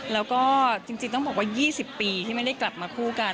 แล้วก็จริงต้องบอกว่า๒๐ปีที่ไม่ได้กลับมาคู่กัน